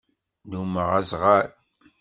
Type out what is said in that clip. Nnumeɣ azɣal.